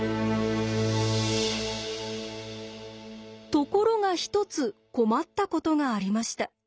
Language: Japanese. ところが一つ困ったことがありました。